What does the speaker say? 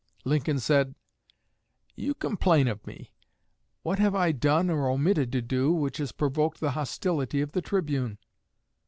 Lincoln said: "You complain of me. What have I done, or omitted to do, which has provoked the hostility of the 'Tribune'?"